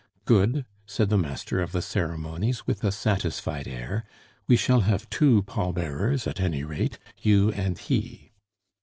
"Good," said the master of the ceremonies, with a satisfied air. "We shall have two pall bearers at any rate you and he."